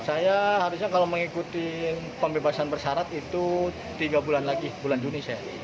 saya harusnya kalau mengikuti pembebasan bersyarat itu tiga bulan lagi bulan juni saya